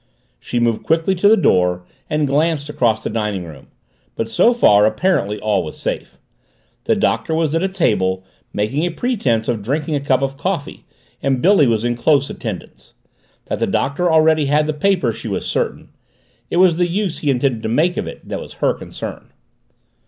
She moved quickly to the door and glanced across toward the dining room, but so far apparently all was safe. The Doctor was at the table making a pretense of drinking a cup of coffee and Billy was in close attendance. That the Doctor already had the paper she was certain; it was the use he intended to make of it that was her concern.